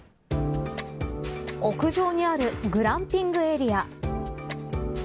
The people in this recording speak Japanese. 屋上にあるグランピングエリア。